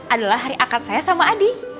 adalah hari akad saya sama adi